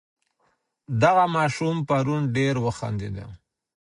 دغه ماشوم پرون ډېر وخندېدی.